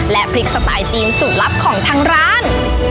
และพริกสไตล์จีนสูตรลับของทางร้าน